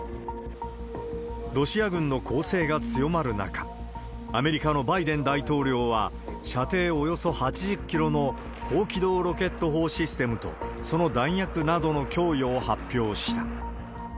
ロシア軍の攻勢が強まる中、アメリカのバイデン大統領は、射程およそ８０キロの高機動ロケット砲システムと、その弾薬などの供与を発表した。